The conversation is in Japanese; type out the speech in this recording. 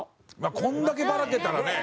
これだけバラけたらね。